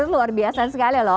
luar biasa sekali loh